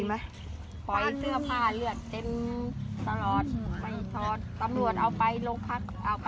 ไหมคอยเสื้อผ้าเลือดเข็มสลอดเออไปทตำรวจเอาไปมันเอาไป